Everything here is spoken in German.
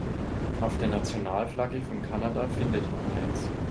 Auf der Nationalflagge von Kanada findet man eins.